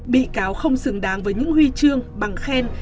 bị cáo không xứng đáng với những huy chương bằng khen